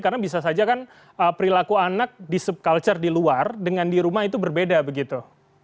karena bisa saja kan perilaku anak di subculture di luar dengan di rumah itu berbeda begitu